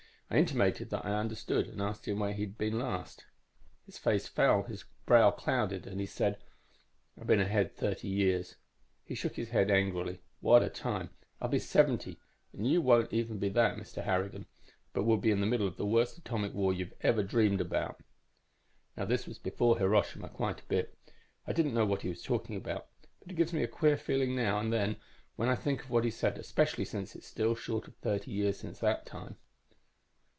I intimated that I understood and asked him where he'd been last. "His face fell, his brow clouded, and he said, 'I've been ahead thirty years.' He shook his head angrily. 'What a time! I'll be seventy, and you won't even be that, Mr. Harrigan. But we'll be in the middle of the worst atomic war you ever dreamed about.' "Now this was before Hiroshima, quite a bit. I didn't know what he was talking about, but it gives me a queer feeling now and then when I think of what he said, especially since it's still short of thirty years since that time.